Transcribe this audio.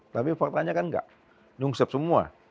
tapi faktanya kan nggak nungsep semua